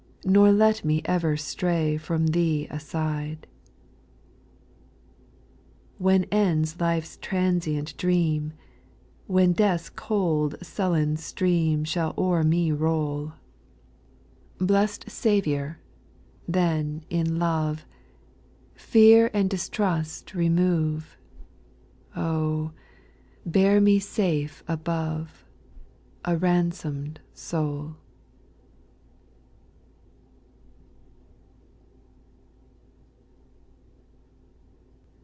Nor let me ever stray From Thee aside. 4. When ends life's transient dream, When death's cold sullen stream Shvill o'^x \svfe \c^\^ 1^* 222 SPIRITUAL 60NGS, Blest Saviour, then in love, Fear and distrust remove, Oh I bear me safe above, A ransom'd soul.